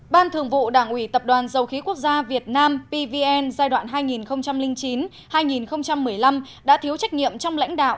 ban thường vụ đảng ủy tập đoàn dầu khí quốc gia việt nam pvn giai đoạn hai nghìn chín hai nghìn một mươi năm đã thiếu trách nhiệm trong lãnh đạo